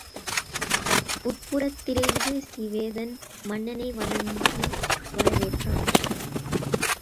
உட்புறத்திலிருந்த சிவேதன் மன்னனை வணங்கி வரவேற்றான்.